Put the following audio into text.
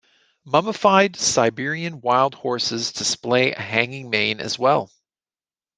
Mummified Siberian wild horses display a hanging mane as well.